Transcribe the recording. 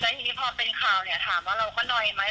แต่ทีนี้พอเป็นข่าวถามว่าเราก็นอยไหม